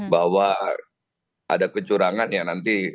bahwa ada kecurangan ya nanti